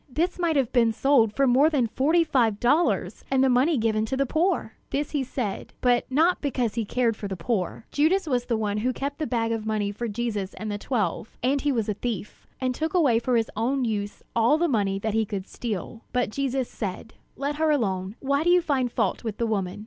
This might have been sold for more than forty five dollars, and the money given to the poor!" This he said, but not because he cared for the poor. Judas was the one who kept the bag of money for Jesus and the twelve; and he was a thief, and took away for his own use all the money that he could steal. But Jesus said: "Let her alone; why do you find fault with the woman?